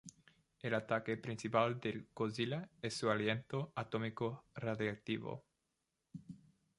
El ataque principal de Godzilla es su aliento atómico radiactivo.